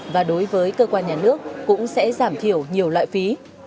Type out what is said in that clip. và đối với cơ quan nhà nước cũng sẽ giảm thiểu nhiều loại phí